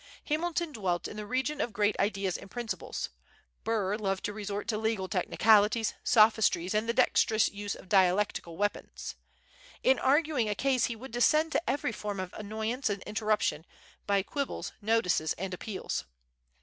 Hamilton dwelt in the region of great ideas and principles; Burr loved to resort to legal technicalities, sophistries, and the dexterous use of dialectical weapons. In arguing a case he would descend to every form of annoyance and interruption, by quibbles, notices, and appeals.